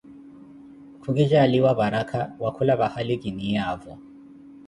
Ku ki jaaliwa paraka, wakula vahali ki niiyaavo.